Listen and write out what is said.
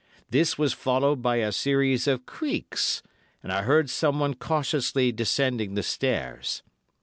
This was followed by a series of creaks, and I heard someone cautiously descending the stairs.